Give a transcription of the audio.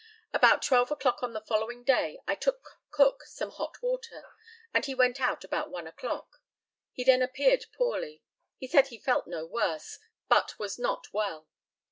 About twelve o'clock on the following day I took Cook some hot water, and he went out about one o'clock. He then appeared poorly. He said he felt no worse, but was not well.